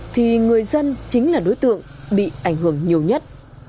thì người dân chính là đối tượng bị ảnh hưởng nhiều nhất